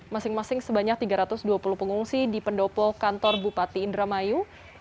masing masing sebanyak tiga ratus dua puluh pengungsi di pendopo kantor bupati indramayu